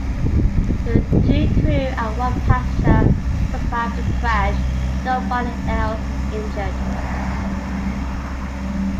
The two crew and one passenger survived the crash; nobody else was injured.